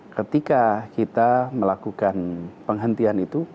ketika kita melakukan penghentian itu